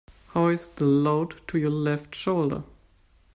Hoist the load to your left shoulder.